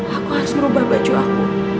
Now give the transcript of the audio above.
aku harus merubah baju aku